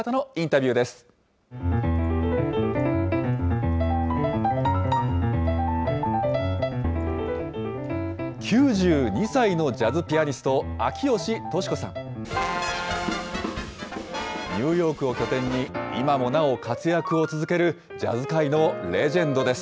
ニューヨークを拠点に、今もなお活躍を続ける、ジャズ界のレジェンドです。